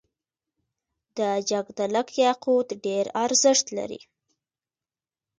د جګدلک یاقوت ډیر ارزښت لري